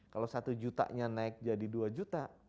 kalau satu juta nya naik jadi dua juta